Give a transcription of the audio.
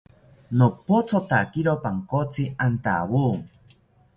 Nopothotakiro pankotzi antawo